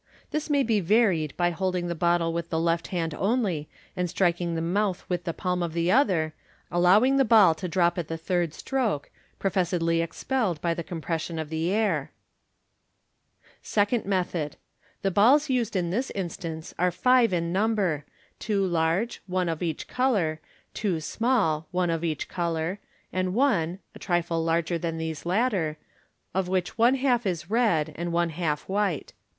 This may be varied by holding the bottle with the left hand only, and striking the mouth with the palm of the other, allowing the ball to drop at the thirJ stroke, pro fessedly expelled by the compression of the air. Second Method. —The balls used in this instance are five in num ber, two large, one of each colour ; two small, one of each colour, and one (a trifle larger than these latter), of which one half is red, and one half white.